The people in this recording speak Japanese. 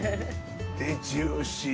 でジューシー。